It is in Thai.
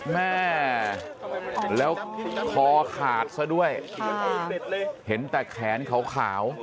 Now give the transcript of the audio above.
แม่แล้วคอขาดซะด้วยเห็นแต่แขนขาว